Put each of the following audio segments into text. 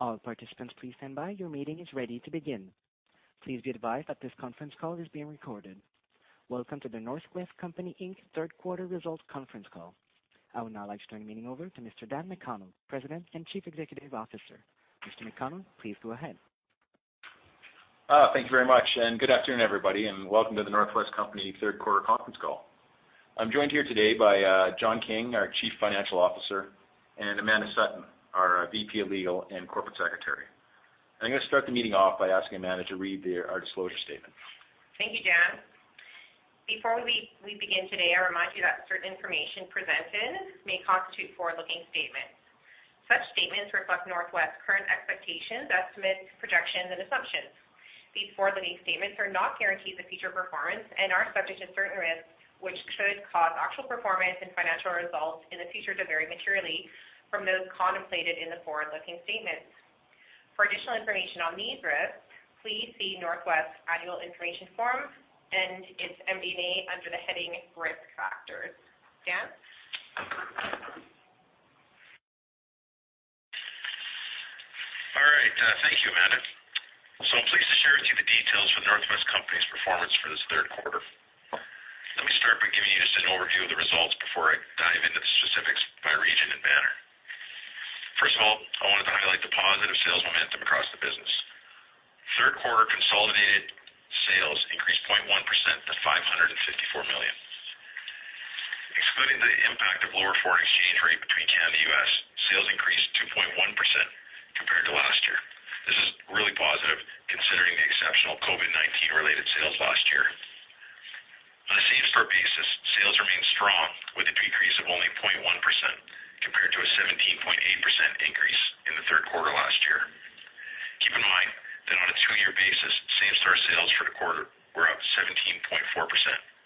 Welcome to The North West Company Inc. third quarter results conference call. I would now like to turn the meeting over to Mr. Dan McConnell, President and Chief Executive Officer. Mr. McConnell, please go ahead. Thank you very much, and good afternoon, everybody, and welcome to the North West Company third quarter conference call. I'm joined here today by John King, our Chief Financial Officer, and Amanda Sutton, our VP of Legal and Corporate Secretary. I'm gonna start the meeting off by asking Amanda to read our disclosure statement. Thank you, Dan. Before we begin today, I remind you that certain information presented may constitute forward-looking statements. Such statements reflect North West current expectations, estimates, projections, and assumptions. These forward-looking statements are not guarantees of future performance and are subject to certain risks which could cause actual performance and financial results in the future to vary materially from those contemplated in the forward-looking statements. For additional information on these risks, please see North West Annual Information Form and its MD&A under the heading Risk Factors. Dan? All right, thank you, Amanda. I'm pleased to share with you the details for North West Company's performance for this third quarter. Let me start by giving you just an overview of the results before I dive into the specifics by region and banner. First of all, I wanted to highlight the positive sales momentum across the business. Third quarter consolidated sales increased 0.1% to 554 million. Excluding the impact of lower foreign exchange rate between Canada and U.S., sales increased 2.1% compared to last year. This is really positive considering the exceptional COVID-19 related sales last year. On a same-store basis, sales remained strong with a decrease of only 0.1% compared to a 17.8% increase in the third quarter last year. Keep in mind that on a two-year basis, same-store sales for the quarter were up 17.4%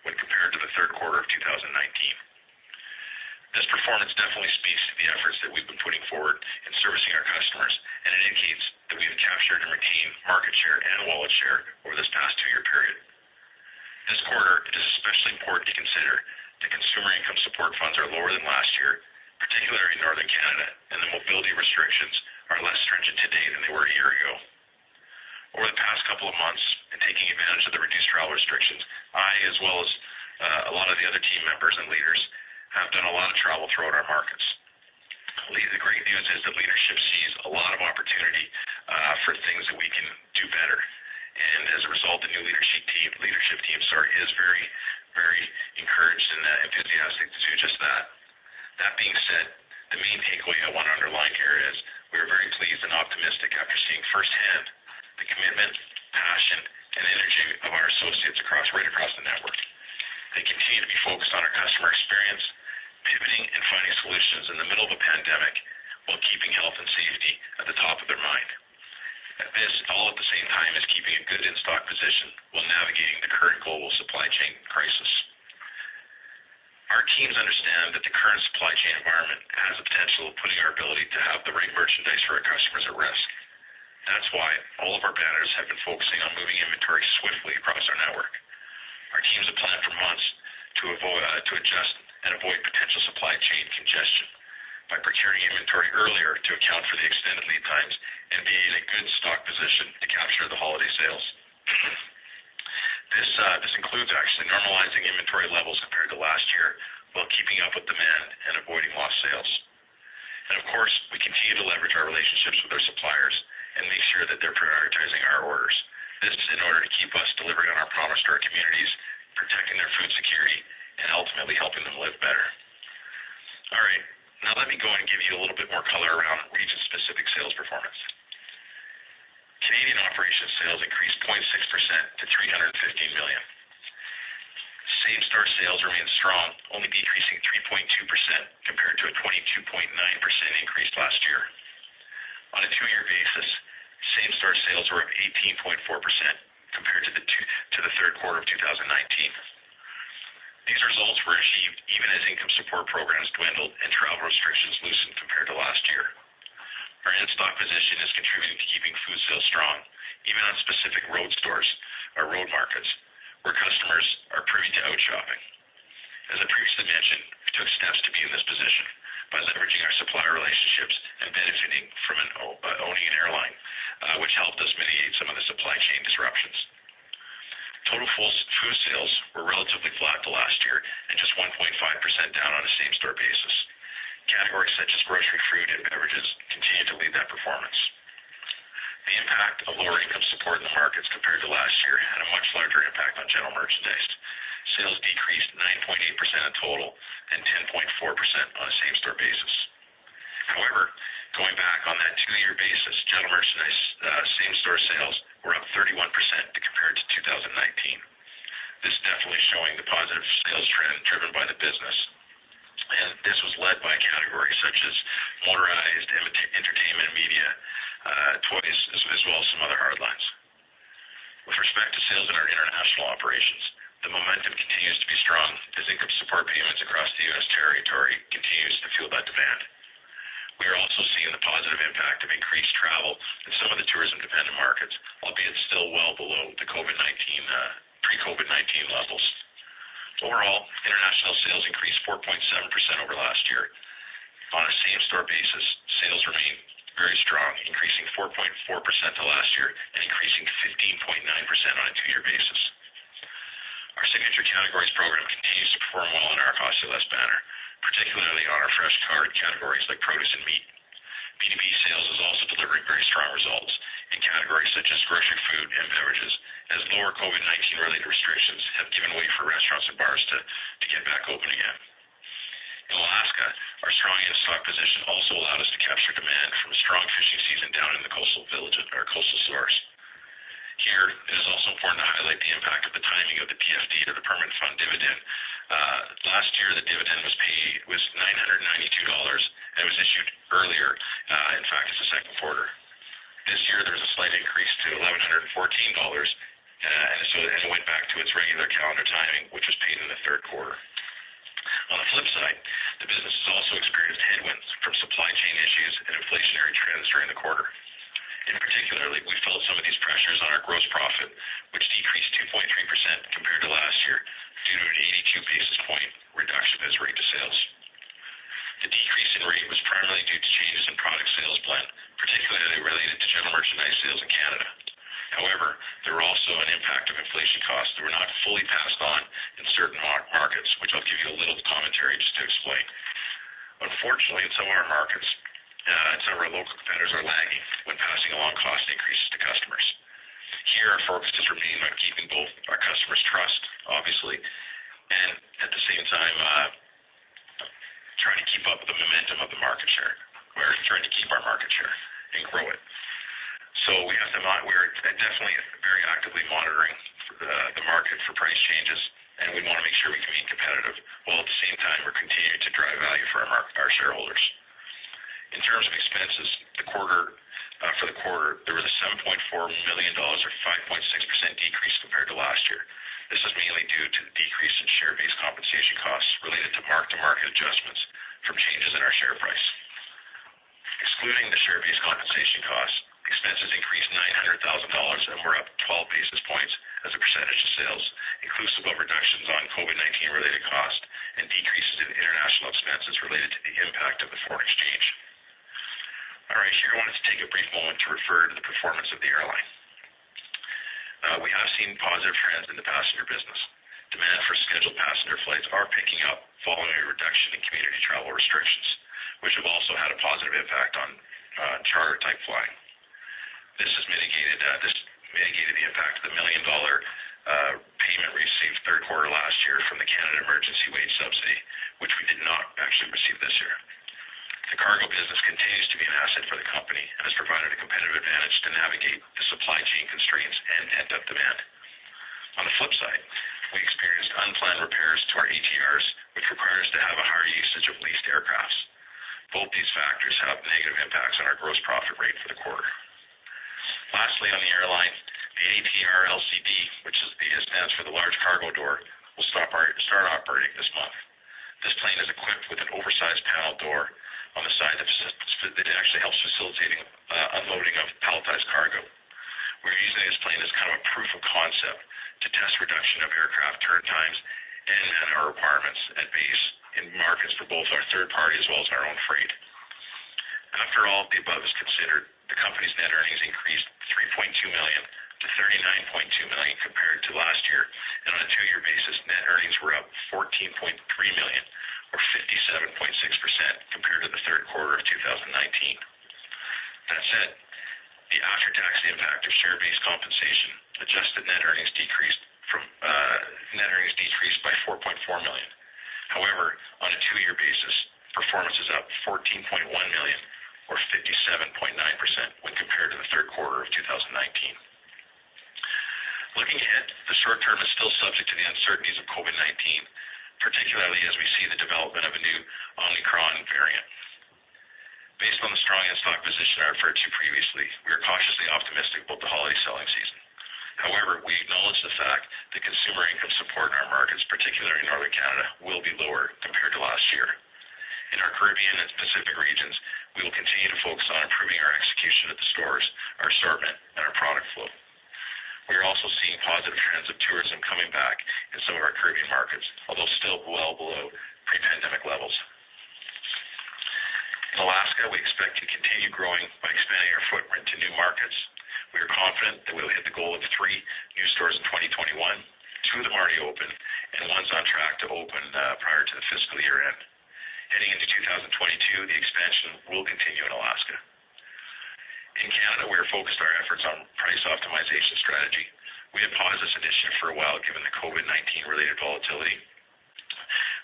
when compared to the third quarter of 2019. This performance definitely speaks to the efforts that we've been putting forward in servicing our customers, and it indicates that we have captured and retained market share and wallet share over this past two-year period. This quarter, it is especially important to consider that consumer income support funds are lower than last year, particularly in Northern Canada, and the mobility restrictions are less stringent today than they were a year ago. Over the past couple of months, in taking advantage of the reduced travel restrictions, I, as well as a lot of the other team members and leaders, have done a lot of travel throughout our markets. The great news is that leadership sees a lot of opportunity for things that we can do better. As a result, the new leadership team, sorry, is very, very encouraged and enthusiastic to do just that. That being said, the main takeaway I wanna underline here is we are very pleased and optimistic after seeing firsthand the commitment, passion, and energy of our associates right across the network. They continue to be focused on our customer experience, pivoting and finding solutions in the middle of a pandemic while keeping health and safety at the top of their mind. This all at the same time as keeping a good in-stock position while navigating the current global supply chain crisis. Our teams understand that the current supply chain environment has the potential of putting our ability to have the right merchandise for our customers at risk. That's why all of our banners have been focusing on moving inventory swiftly across our network. Our teams have planned for months to adjust and avoid potential supply chain congestion by procuring inventory earlier to account for the extended lead times and be in a good stock position to capture the holiday sales. This, this includes actually normalizing inventory levels compared to last year while keeping up with demand and avoiding lost sales. Of course, we continue to leverage our relationships with our suppliers and make sure that they're prioritizing our orders. This is in order to keep us delivering on our promise to our communities, protecting their food security, and ultimately helping them live better. All right. Now let me go and give you a little bit more color around region-specific sales performance. Canadian operations sales increased 0.6% to 315 million. Same-store sales remained strong, only decreasing 3.2% compared to a 22.9% increase last year. On a two-year basis, same-store sales were up 18.4% compared to the third quarter of 2019. These results were achieved even as income support programs dwindled and travel restrictions loosened compared to last year. Our in-stock position is contributing to keeping food sales strong, even on specific remote stores or remote markets where customers are prone to outshopping. As I previously mentioned, we took steps to be in this position by leveraging our supplier relationships and benefiting from owning an airline, which helped us mitigate some of the supply chain disruptions. Total food sales were relatively flat to last year and just 1.5% down on a same-store basis. Categories such as grocery, food, and beverages continued to lead that performance. The impact of lower income support in the markets compared to last year had a much larger impact on general merchandise. Sales decreased 9.8% in total and 10.4% on a same-store basis. However, going back on that two-year basis, general merchandise same-store sales were up 31% compared to 2019. This definitely showing the positive sales trend driven by the business. This was led by categories such as motorized, entertainment, media, toys, as well as some other hard lines. With respect to sales in our international operations, the momentum continues to be strong as income support payments across the U.S. territory continues to fuel that demand. We are also seeing the positive impact of increased travel in some of the tourism-dependent markets, albeit still well below the COVID-19, pre-COVID-19 levels. Overall, international sales increased 4.7% over last year. On a same-store basis, sales remained very strong, increasing 4.4% to last year and increasing 15.9% on a two-year basis. Our signature categories program continues to perform well in our Cost-U-Less banner, particularly on our fresh cart categories like produce and meat. PDP sales has also delivered very strong results in categories such as grocery, food, and beverages, as lower COVID-19 related restrictions have given way for restaurants and bars to get back open again. In Alaska, our strongest stock position also allowed us to capture demand from a strong fishing season down in the coastal village with our coastal stores. Here, it is also important to highlight the impact of the timing of the PFD or the Permanent Fund Dividend. Last year, the dividend was paid $992 and was issued earlier, in fact, in the second quarter. This year there was a slight increase to $1,114, and so it went back to its regular calendar timing, which was paid in the third quarter. On the flip side, the business has also experienced headwinds from supply chain issues and inflationary trends during the quarter. In particular, we felt some of these pressures on our gross profit, which decreased 2.3% compared to last year due to an 80 basis point reduction in rate to sales. The decrease in rate was primarily due to changes in product sales mix, particularly related to general merchandise sales in Canada. However, there were also an impact of inflation costs that were not fully passed on in certain markets, which I'll give you a little commentary just to explain. Unfortunately, in some of our markets, and some of our local competitors are lagging when passing along cost increases to customers. Here, our focus is remaining on keeping both our customers' trust, obviously, and at the same time, trying to keep up with the momentum of the market share. We're trying to keep our market share and grow it. We're definitely very actively monitoring the market for price changes, and we wanna make sure we can be competitive, while at the same time we're continuing to drive value for our our shareholders. In terms of expenses, the quarter, for the quarter, there was a 7.4 million dollars or 5.6% decrease compared to last year. This is mainly due to the decrease in share-based compensation costs related to mark-to-market adjustments from changes in our share price. Excluding the share-based compensation costs, expenses increased 900,000 dollars and were up 12 basis points as a percentage of sales, inclusive of reductions on COVID-19 related cost and decreases in international expenses related to the impact of the foreign exchange. All right, here I wanted to take a brief moment to refer to the performance of the airline. We have seen positive trends in the passenger business. Demand for scheduled passenger flights are picking up following a reduction in community travel restrictions, which have also had a positive impact on charter type flying. This has mitigated the impact of the 1 million dollar payment received third quarter last year from the Canada Emergency Wage Subsidy, which we did not actually receive this year. The cargo business continues to be an asset for the company and has provided a competitive advantage to navigate the supply chain constraints and pent-up demand. On the flip side, we experienced unplanned repairs to our ATRs, which require us to have a higher usage of leased aircrafts. Both these factors had negative impacts on our gross profit rate for the quarter. Lastly, on the airline, the ATR-LCD, which stands for the large cargo door, will start operating this month. This plane is equipped with an oversized panel door on the side that just, it actually helps facilitating unloading of palletized cargo. We're using this plane as kind of a proof of concept to test reduction of aircraft turn times and hangar requirements at base in markets for both our third party as well as our own freight. After all the above is considered, the company's net earnings increased 3.2 million to 39.2 million compared to last year. On a two-year basis, net earnings were up 14.3 million or 57.6% compared to the third quarter of 2019. That said, the after-tax impact of share-based compensation, adjusted net earnings decreased by 4.4 million. However, on a two-year basis, performance is up 14.1 million or 57.9% when compared to the third quarter of 2019. Looking ahead, the short term is still subject to the uncertainties of COVID-19, particularly as we see the development of a new Omicron variant. Based on the strong in-stock position I referred to previously, we are cautiously optimistic about the holiday selling season. However, we acknowledge the fact that consumer income support in our markets, particularly in Northern Canada, will be lower compared to last year. In our Caribbean and Pacific regions, we will continue to focus on improving our execution at the stores, our assortment, and our product flow. We are also seeing positive trends of tourism coming back in some of our Caribbean markets, although still well below pre-pandemic levels. In Alaska, we expect to continue growing by expanding our footprint to new markets. We are confident that we'll hit the goal of three new stores in 2021. Two of them are already open and one's on track to open prior to the fiscal year-end. Heading into 2022, the expansion will continue in Alaska. In Canada, we are focusing our efforts on price optimization strategy. We had paused this initiative for a while given the COVID-19 related volatility,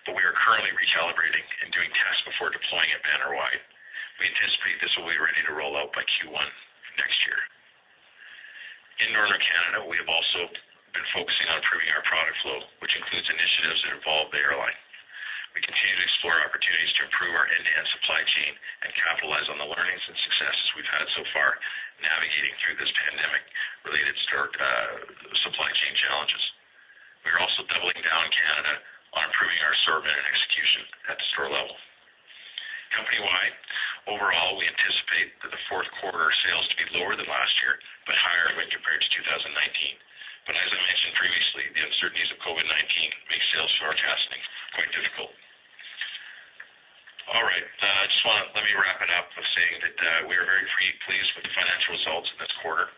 but we are currently recalibrating and doing tests before deploying it banner-wide. We anticipate this will be ready to roll out by Q1 next year. In Northern Canada, we have also been focusing on improving our product flow, which includes initiatives that involve the airline. We continue to explore opportunities to improve our enhanced supply chain and capitalize on the learnings and successes we've had so far navigating through this pandemic related supply chain challenges. We are also doubling down in Canada on improving our assortment and execution at the store level. Overall, we anticipate that the fourth quarter sales to be lower than last year, but higher when compared to 2019. As I mentioned previously, the uncertainties of COVID-19 make sales forecasting quite difficult. All right. Let me wrap it up by saying that we are very pleased with the financial results this quarter,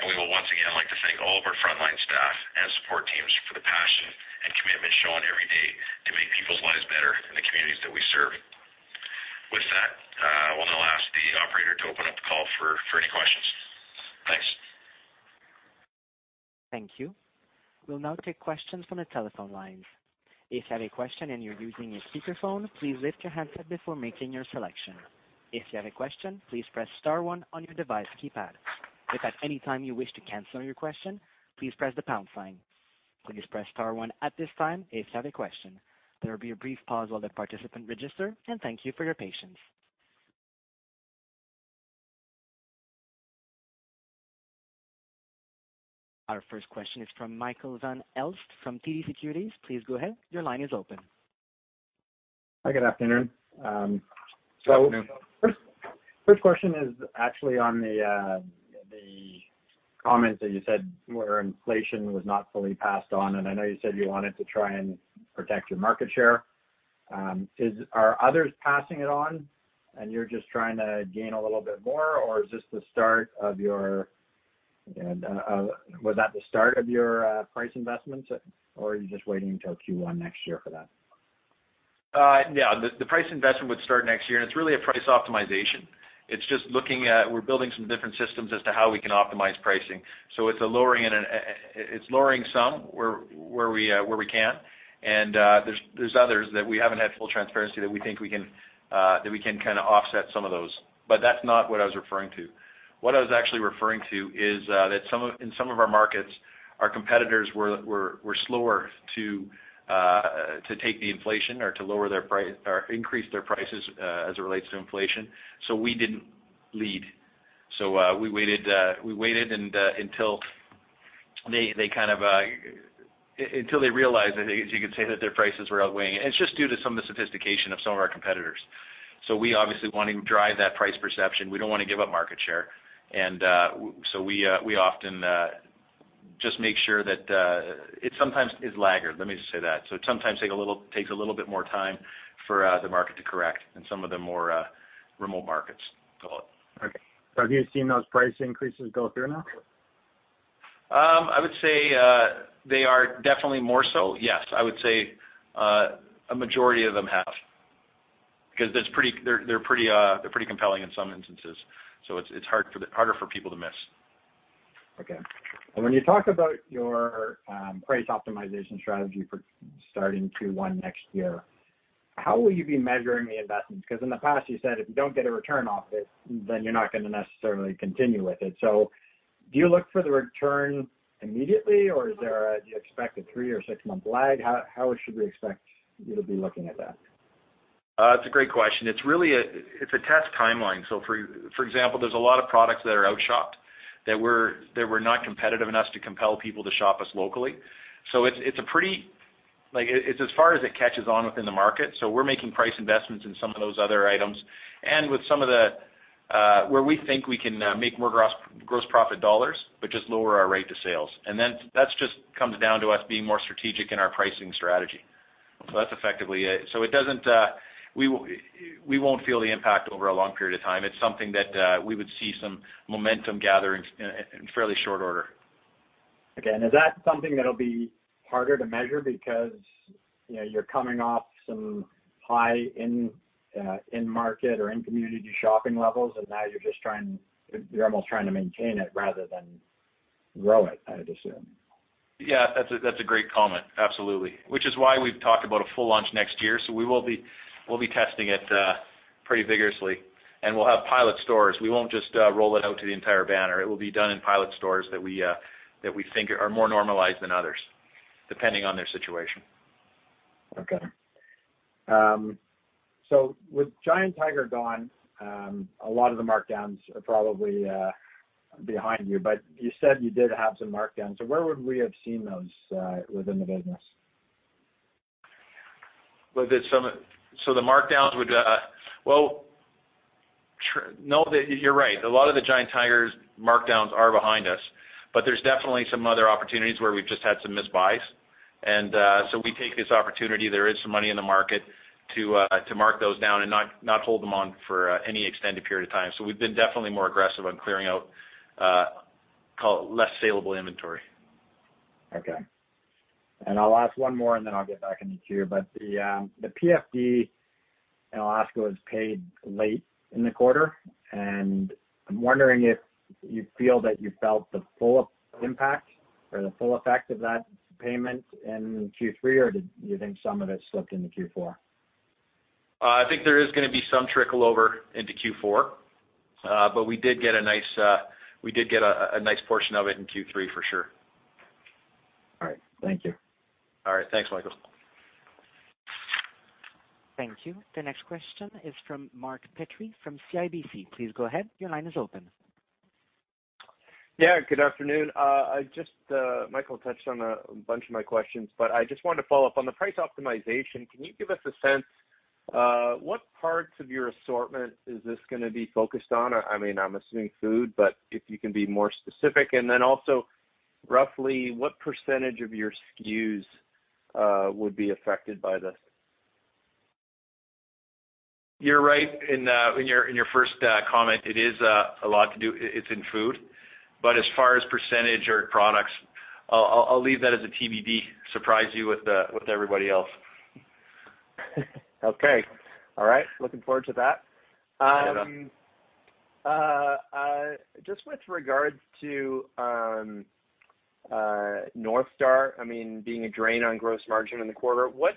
and we will once again like to thank all of our frontline staff and support teams for the passion and commitment shown every day to make people's lives better in the communities that we serve. With that, I'm gonna ask the operator to open up the call for any questions. Thanks. Thank you. We'll now take questions from the telephone lines. If any question and you're using a speakerphone, please lift your hands up before making your selection. If you had a question, please press star one on your device keypad. If at any time you wish to cancel your question, please press the pound sign. Please press star one, at this time if you have a question. There will be a brief pause while the participants' register and thank you for your patience. Our first question is from Michael Van Aelst from TD Securities. Please go ahead. Your line is open. Hi, good afternoon. First question is actually on the comments that you said where inflation was not fully passed on, and I know you said you wanted to try and protect your market share. Are others passing it on and you're just trying to gain a little bit more, or was that the start of your price investments, or are you just waiting till Q1 next year for that? Yeah. The price investment would start next year, and it's really a price optimization. We're building some different systems as to how we can optimize pricing. It's a lowering and a. It's lowering somewhere we can. There's others that we haven't had full transparency that we think we can kinda offset some of those. That's not what I was referring to. What I was actually referring to is in some of our markets, our competitors were slower to take the inflation or to lower their prices or increase their prices, as it relates to inflation. We didn't lead. We waited until they kind of realized, as you can see, that their prices were outweighing. It's just due to some of the sophistication of some of our competitors. We obviously want to drive that price perception. We don't wanna give up market share. We often just make sure that it sometimes is laggard, let me just say that. It sometimes takes a little bit more time for the market to correct in some of the more remote markets, call it. Okay. Have you seen those price increases go through now? I would say they are definitely more so, yes. I would say a majority of them have. Because that's pretty compelling in some instances, so it's harder for people to miss. Okay. When you talk about your price optimization strategy for starting Q1 next year, how will you be measuring the investment? Because in the past you said if you don't get a return off it, then you're not gonna necessarily continue with it. Do you look for the return immediately, or is there? Do you expect a three or six-month lag? How should we expect you to be looking at that? It's a great question. It's really a test timeline. For example, there's a lot of products that are outshopped that were not competitive enough to compel people to shop us locally. It's a pretty like it's as far as it catches on within the market. We're making price investments in some of those other items. With some of the where we think we can make more gross profit dollars, but just lower our rate to sales. That's just comes down to us being more strategic in our pricing strategy. That's effectively it. It doesn't. We won't feel the impact over a long period of time. It's something that we would see some momentum gathering in fairly short order. Okay. Is that something that'll be harder to measure because, you know, you're coming off some high in-market or in-community shopping levels, and now you're almost trying to maintain it rather than grow it, I'd assume. Yeah, that's a great comment. Absolutely. Which is why we've talked about a full launch next year. We will be, we'll be testing it pretty vigorously. We'll have pilot stores. We won't just roll it out to the entire banner. It will be done in pilot stores that we think are more normalized than others, depending on their situation. Okay. With Giant Tiger gone, a lot of the markdowns are probably behind you, but you said you did have some markdowns. Where would we have seen those within the business? You're right. A lot of the Giant Tiger's markdowns are behind us, but there's definitely some other opportunities where we've just had some mis buys. We take this opportunity, there is some money in the market, to mark those down and not hold them on for any extended period of time. We've been definitely more aggressive on clearing out, call it less saleable inventory. Okay. I'll ask one more, and then I'll get back in the queue. The PFD in Alaska was paid late in the quarter, and I'm wondering if you felt the full impact or the full effect of that payment in Q3, or did you think some of it slipped into Q4? I think there is gonna be some trickle over into Q4. We did get a nice portion of it in Q3 for sure. All right. Thank you. All right. Thanks, Michael. Thank you. The next question is from Mark Petrie from CIBC. Please go ahead. Your line is open. Yeah. Good afternoon. I just, Michael touched on a bunch of my questions, but I just wanted to follow up. On the price optimization, can you give us a sense, what parts of your assortment is this gonna be focused on? I mean, I'm assuming food, but if you can be more specific. Roughly what percentage of your SKUs would be affected by this? You're right in your first comment. It's a lot to do with food. But as far as percentage or products, I'll leave that as a TBD, surprise you with everybody else. Okay. All right. Looking forward to that. Just with regards to North Star, I mean, being a drain on gross margin in the quarter, what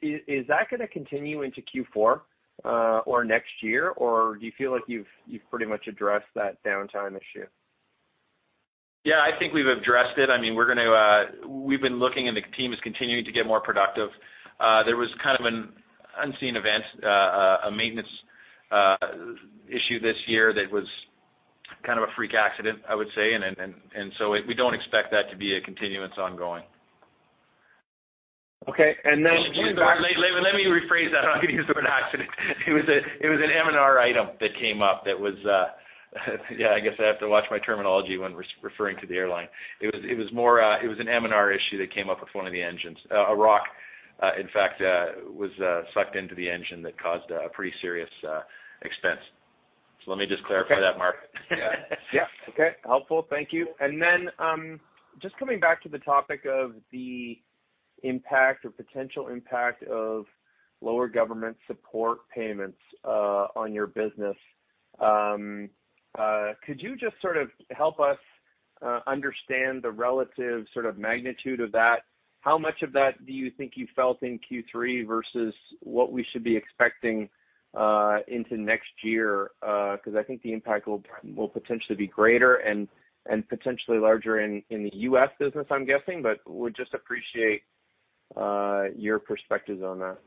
is that gonna continue into Q4, or next year, or do you feel like you've pretty much addressed that downtime issue? Yeah. I think we've addressed it. I mean, we're gonna. We've been looking, and the team is continuing to get more productive. There was kind of an unseen event, a maintenance issue this year that was kind of a freak accident, I would say. We don't expect that to be a continuance ongoing. Okay. Let me, Mark, rephrase that. I'm not gonna use the word accident. It was an M&R item that came up. I guess I have to watch my terminology when referring to the airline. It was more an M&R issue that came up with one of the engines. A rock, in fact, was sucked into the engine that caused a pretty serious expense. Let me just clarify that, Mark. Yeah. Okay. Helpful. Thank you. Then, just coming back to the topic of the impact or potential impact of lower government support payments on your business, could you just sort of help us understand the relative sort of magnitude of that? How much of that do you think you felt in Q3 versus what we should be expecting into next year? 'Cause I think the impact will potentially be greater and potentially larger in the U.S. business, I'm guessing. But would just appreciate your perspective on that.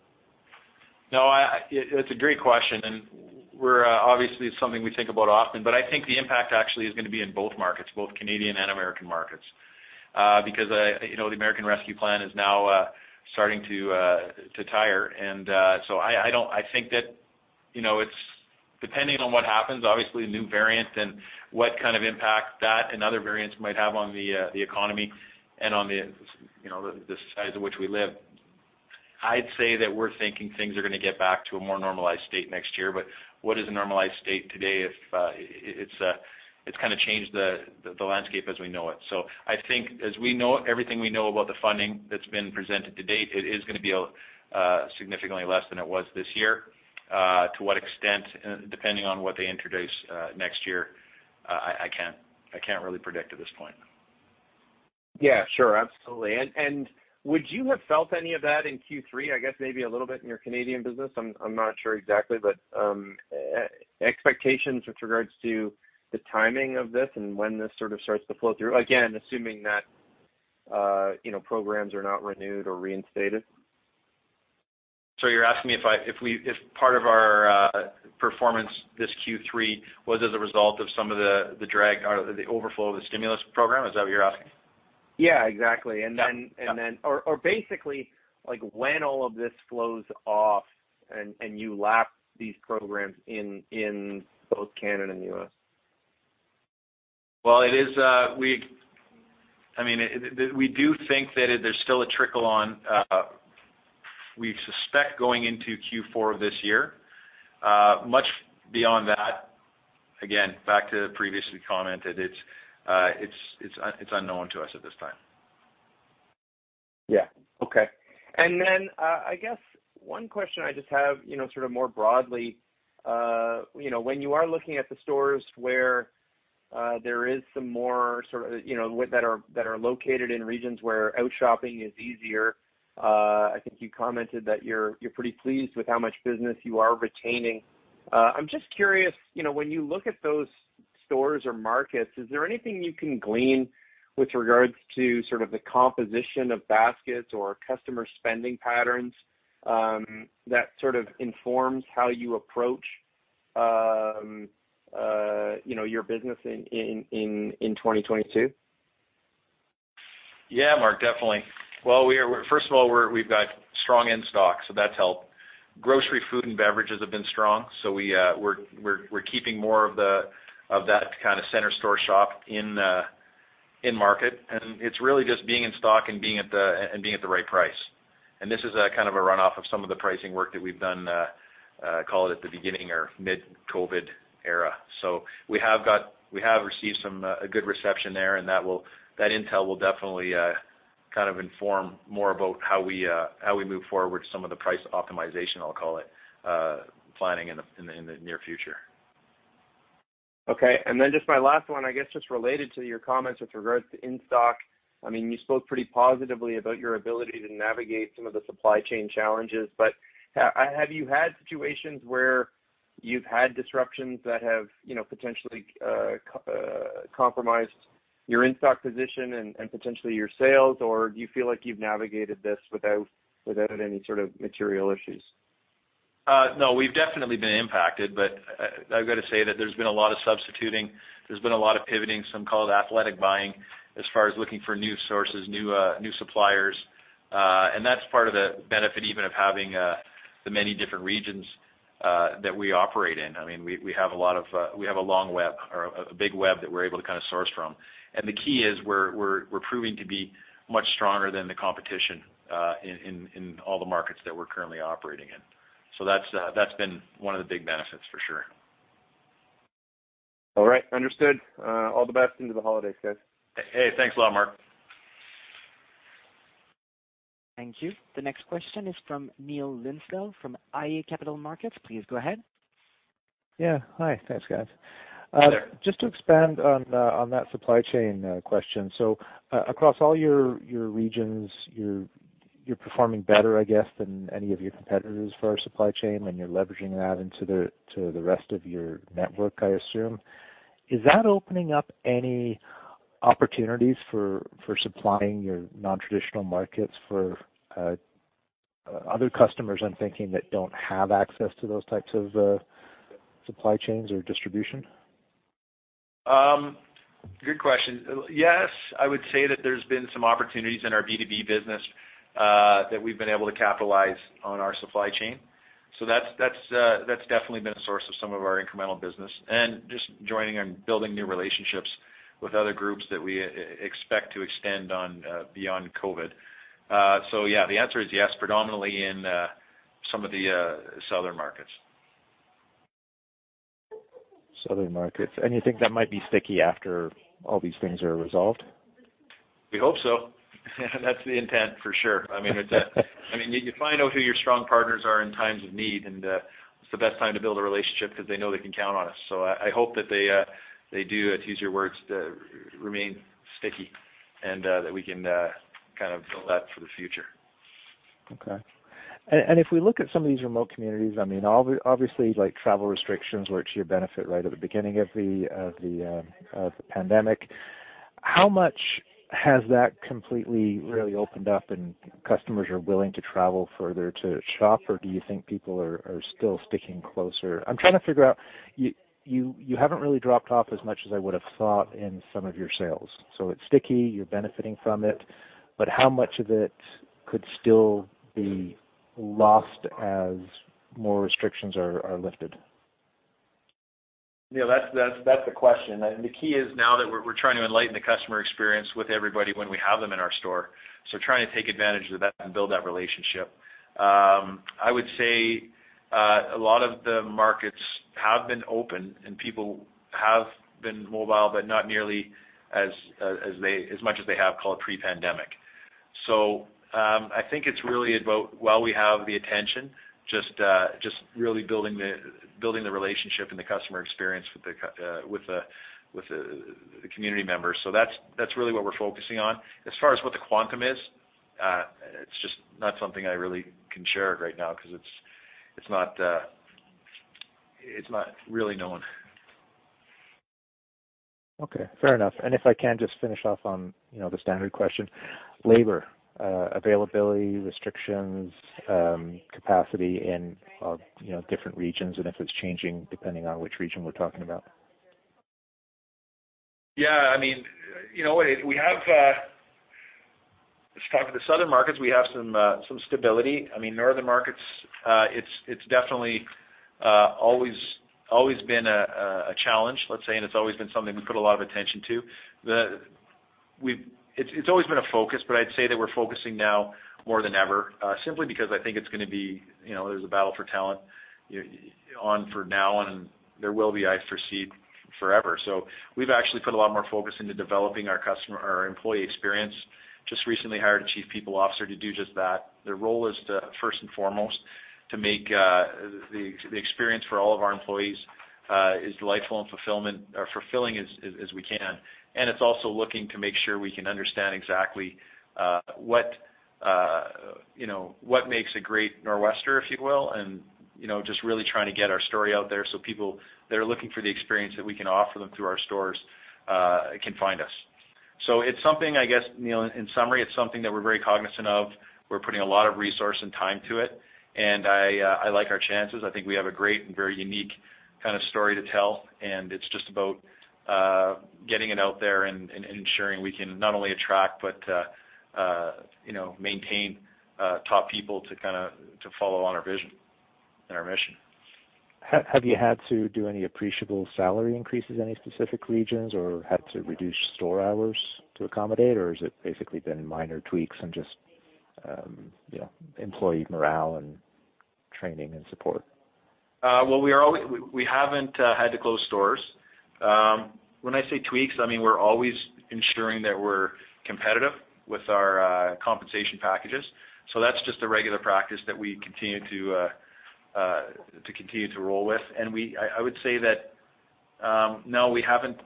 No, it's a great question, and we're obviously it's something we think about often. I think the impact actually is gonna be in both markets, both Canadian and American markets. Because you know, the American Rescue Plan is now starting to tire. I think that you know, it's depending on what happens, obviously new variant and what kind of impact that and other variants might have on the economy and on the you know, the society in which we live. I'd say that we're thinking things are gonna get back to a more normalized state next year, but what is a normalized state today if it kinda changed the landscape as we know it. I think as we know, everything we know about the funding that's been presented to date, it is gonna be significantly less than it was this year. To what extent, depending on what they introduce next year, I can't really predict at this point. Yeah. Sure. Absolutely. Would you have felt any of that in Q3? I guess maybe a little bit in your Canadian business. I'm not sure exactly, but expectations with regards to the timing of this and when this sort of starts to flow through, again, assuming that, you know, programs are not renewed or reinstated. You're asking me if part of our performance this Q3 was as a result of some of the drag or the overflow of the stimulus program? Is that what you're asking? Yeah, exactly. Basically, like, when all of this flows off and you lap these programs in both Canada and the U.S. Well, it is, I mean, it we do think that there's still a trickle on, we suspect going into Q4 of this year. Much beyond that, again, back to the previously commented, it's unknown to us at this time. Yeah. Okay. I guess one question I just have, you know, sort of more broadly, you know, when you are looking at the stores where there is some more sort of, you know, that are located in regions where out shopping is easier, I think you commented that you're pretty pleased with how much business you are retaining. I'm just curious, you know, when you look at those stores or markets, is there anything you can glean with regards to sort of the composition of baskets or customer spending patterns, that sort of informs how you approach, you know, your business in 2022? Yeah, Mark, definitely. Well, first of all, we've got strong in-stock, so that's helped. Grocery, food, and beverages have been strong, so we're keeping more of that kind of center store shop in market. It's really just being in stock and being at the right price. This is kind of a runoff of some of the pricing work that we've done, call it at the beginning or mid-COVID era. We have received some a good reception there, and that intel will definitely kind of inform more about how we move forward with some of the price optimization, I'll call it, planning in the near future. Okay. Just my last one, I guess, just related to your comments with regards to in-stock. I mean, you spoke pretty positively about your ability to navigate some of the supply chain challenges, but have you had situations where you've had disruptions that have, you know, potentially compromised your in-stock position and potentially your sales, or do you feel like you've navigated this without any sort of material issues? No, we've definitely been impacted, but I've got to say that there's been a lot of substituting. There's been a lot of pivoting, some call it athletic buying, as far as looking for new sources, new suppliers. That's part of the benefit even of having the many different regions that we operate in. I mean, we have a big web that we're able to kind of source from. The key is we're proving to be much stronger than the competition in all the markets that we're currently operating in. That's been one of the big benefits for sure. All right. Understood. All the best into the holidays, guys. Hey, thanks a lot, Mark. Thank you. The next question is from Neil Linsdell from iA Capital Markets. Please go ahead. Yeah. Hi. Thanks, guys. Just to expand on that supply chain question. Across all your regions, you're performing better, I guess, than any of your competitors for supply chain, and you're leveraging that into the rest of your network, I assume. Is that opening up any opportunities for supplying your non-traditional markets for other customers, I'm thinking, that don't have access to those types of supply chains or distribution? Good question. Yes, I would say that there's been some opportunities in our B2B business that we've been able to capitalize on our supply chain. That's definitely been a source of some of our incremental business, and just joining and building new relationships with other groups that we expect to extend on beyond COVID. Yeah, the answer is yes, predominantly in some of the southern markets. Southern markets. You think that might be sticky after all these things are resolved? We hope so. That's the intent for sure. I mean, you find out who your strong partners are in times of need, and it's the best time to build a relationship because they know they can count on us. I hope that they do, to use your words, remain sticky and that we can kind of build that for the future. Okay. If we look at some of these remote communities, I mean, obviously, like travel restrictions were to your benefit right at the beginning of the pandemic. How much has that completely really opened up and customers are willing to travel further to shop, or do you think people are still sticking closer? I'm trying to figure out, you haven't really dropped off as much as I would have thought in some of your sales. It's sticky, you're benefiting from it, but how much of it could still be lost as more restrictions are lifted? Yeah, that's the question. The key is now that we're trying to enlighten the customer experience with everybody when we have them in our store. Trying to take advantage of that and build that relationship. I would say a lot of the markets have been open and people have been mobile, but not nearly as much as they have called it pre-pandemic. I think it's really about while we have the attention, just really building the relationship and the customer experience with the community members. That's really what we're focusing on. As far as what the quantum is, it's just not something I really can share right now because it's not really known. Okay. Fair enough. If I can just finish off on, you know, the standard question. Labor, availability, restrictions, capacity in, you know, different regions and if it's changing depending on which region we're talking about. Yeah. I mean, you know what, we have some stability. I mean, northern markets, it's definitely always been a challenge, let's say, and it's always been something we put a lot of attention to. It's always been a focus, but I'd say that we're focusing now more than ever, simply because I think it's gonna be, you know, there's a battle for talent going on for now, and there will be, I foresee, forever. We've actually put a lot more focus into developing our customer or employee experience. Just recently hired a Chief People Officer to do just that. Their role is to, first and foremost, make the experience for all of our employees as delightful and fulfilling as we can. It's also looking to make sure we can understand exactly what you know what makes a great Nor'Wester, if you will, and you know just really trying to get our story out there so people that are looking for the experience that we can offer them through our stores can find us. It's something, I guess, Neil, in summary, it's something that we're very cognizant of. We're putting a lot of resource and time to it. I like our chances. I think we have a great and very unique kind of story to tell, and it's just about getting it out there and ensuring we can not only attract but you know maintain top people to kinda follow on our vision and our mission. Have you had to do any appreciable salary increases, any specific regions, or had to reduce store hours to accommodate, or has it basically been minor tweaks and just, you know, employee morale and training and support? Well, we haven't had to close stores. When I say tweaks, I mean, we're always ensuring that we're competitive with our compensation packages. That's just a regular practice that we continue to roll with. I would say that no, we haven't.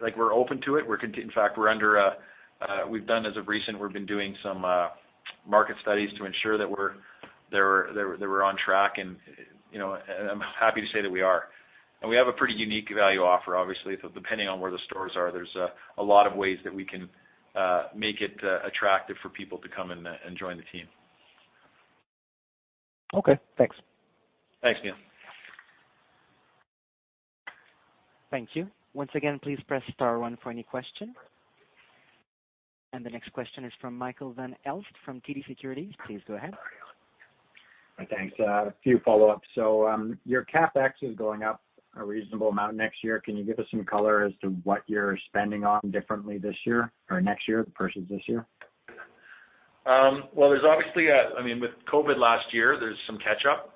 Like, we're open to it. In fact, we've been doing some market studies to ensure that we're on track. You know, I'm happy to say that we are. We have a pretty unique value offer, obviously. Depending on where the stores are, there's a lot of ways that we can make it attractive for people to come and join the team. Okay, thanks. Thanks, Neil. Thank you. Once again, please press star one for any question. The next question is from Michael Van Aelst from TD Securities. Please go ahead. Thanks. A few follow-ups. Your CapEx is going up a reasonable amount next year. Can you give us some color as to what you're spending on differently this year or next year versus this year? Well, there's obviously, I mean, with COVID last year, there's some catch-up.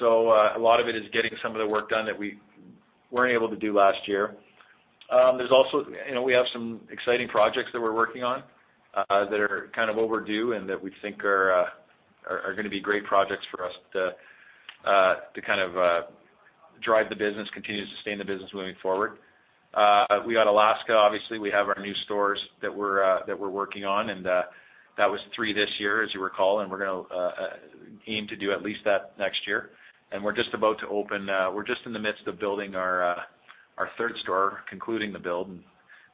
A lot of it is getting some of the work done that we weren't able to do last year. There's also, you know, we have some exciting projects that we're working on that are kind of overdue, and that we think are gonna be great projects for us to to kind of drive the business, continue to sustain the business moving forward. We got Alaska, obviously, we have our new stores that we're working on, and that was three this year, as you recall, and we're gonna aim to do at least that next year. We're just in the midst of building our third store, concluding the build, and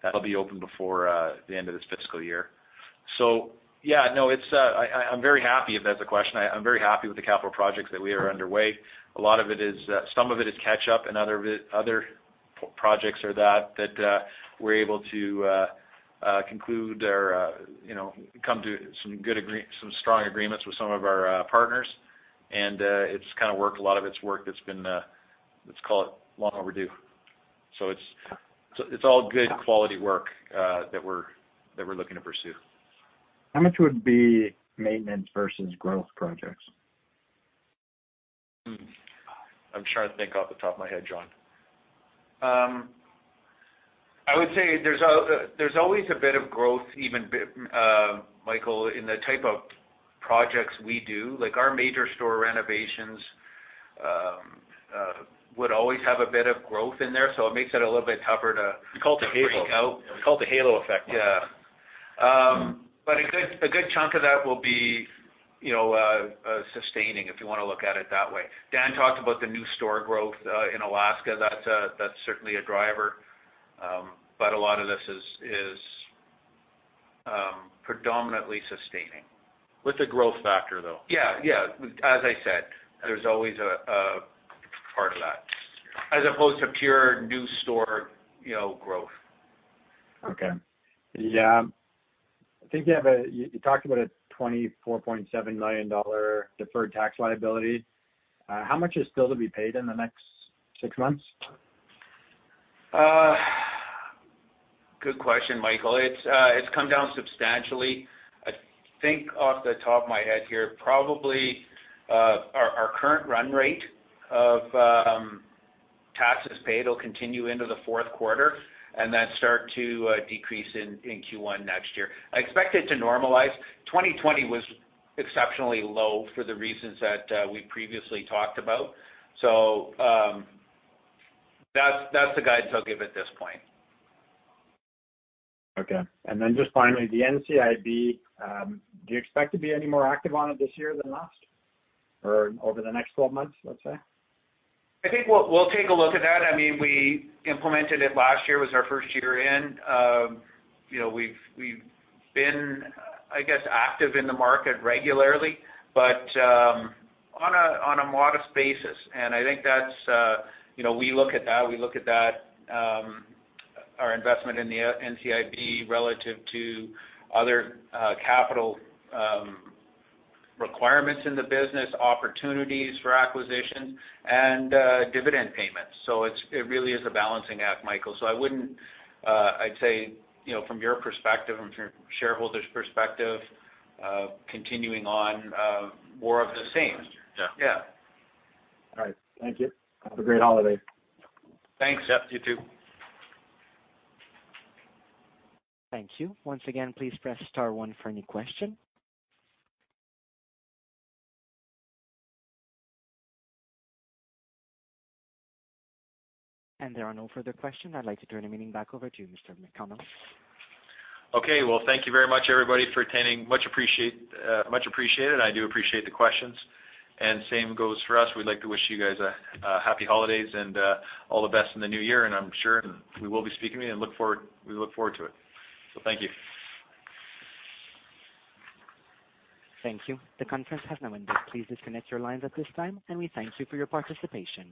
that'll be open before the end of this fiscal year. Yeah, no, it's, I'm very happy, if that's a question, I'm very happy with the capital projects that we are underway. A lot of it is, some of it is catch-up, and other of it, other projects are that we're able to conclude or, you know, come to some good, some strong agreements with some of our partners. It's kind of worked. A lot of it's work that's been, let's call it long overdue. It's all good quality work that we're looking to pursue. How much would be maintenance versus growth projects? I'm trying to think off the top of my head, John. I would say there's always a bit of growth, even Michael, in the type of projects we do. Like, our major store renovations would always have a bit of growth in there, so it makes it a little bit tougher to break out. We call it the halo effect. Yeah. A good chunk of that will be, you know, sustaining, if you wanna look at it that way. Dan talked about the new store growth in Alaska. That's certainly a driver. A lot of this is predominantly sustaining. With the growth factor, though. Yeah. As I said, there's always a part of that as opposed to pure new store, you know, growth. Okay. Yeah. I think you talked about a 24.7 million dollar deferred tax liability. How much is still to be paid in the next six months? Good question, Michael. It's come down substantially. I think off the top of my head here, probably our current run rate of taxes paid will continue into the fourth quarter and then start to decrease in Q1 next year. I expect it to normalize. 2020 was exceptionally low for the reasons that we previously talked about. That's the guidance I'll give at this point. Okay. Just finally, the NCIB, do you expect to be any more active on it this year than last or over the next 12 months, let's say? I think we'll take a look at that. I mean, we implemented it last year. It was our first year in. You know, we've been, I guess, active in the market regularly, but on a modest basis. I think that's, you know, we look at that, our investment in the NCIB relative to other capital requirements in the business, opportunities for acquisition and dividend payments. It really is a balancing act, Michael. I wouldn't. I'd say, you know, from your perspective, from shareholders' perspective, continuing on, more of the same. All right. Thank you. Have a great holiday. Thanks. Yep, you too. Thank you. Once again, please press star one for any question. There are no further questions. I'd like to turn the meeting back over to you, Mr. McConnell. Okay. Well, thank you very much, everybody, for attending. Much appreciated. I do appreciate the questions, and same goes for us. We'd like to wish you guys a happy holidays and all the best in the new year, and I'm sure we will be speaking with you and we look forward to it. Thank you. Thank you. The conference has now ended. Please disconnect your lines at this time, and we thank you for your participation.